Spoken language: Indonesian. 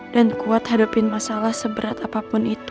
dan kuat hadapin masalah seberat apapun itu